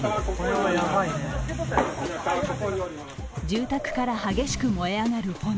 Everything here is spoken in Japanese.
住宅から激しく燃え上がる炎。